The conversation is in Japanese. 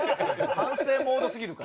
反省モードすぎるから。